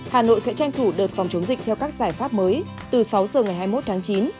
hà nội sẽ tranh thủ đợt phòng chống dịch theo các giải pháp mới từ sáu giờ ngày hai mươi một tháng chín